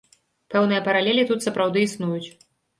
Пэўныя паралелі тут сапраўды існуюць.